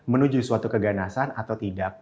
menuju suatu keganasan atau tidak